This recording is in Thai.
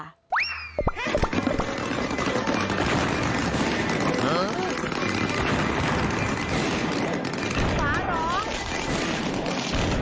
ฟ้าน้อง